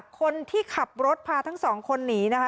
คนที่ขับรถพาทั้งสองคนหนีนะคะ